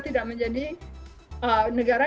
tidak menjadi negara